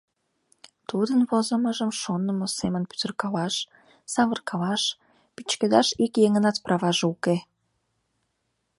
Тудын возымыжым шонымо семын пӱтыркалаш, савыркалаш, пӱчкедаш ик еҥынат праваже уке.